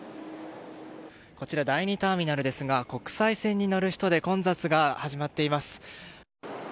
こちら第２ターミナルですが国際線に乗る人で混雑が始まっています。